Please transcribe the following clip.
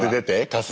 春日。